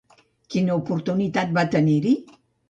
Quina oportunitat va tenir-hi?